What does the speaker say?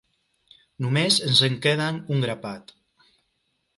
Només ens en queden un grapat.